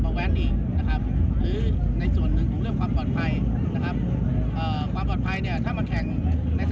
จะได้ไม่มาเฉียวชนกันอะไรประมาณนี้